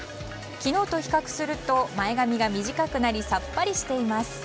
昨日と比較すると前髪が短くなりさっぱりしています。